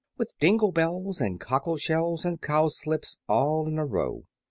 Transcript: With dingle bells and cockle shells And cowslips, all in a row.